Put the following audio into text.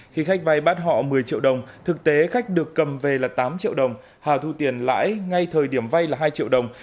khi khách vay bắt họ một mươi triệu đồng thực tế khách được cầm về là tám triệu đồng hà thu tiền lãi ngay thời điểm vay là hai triệu đồng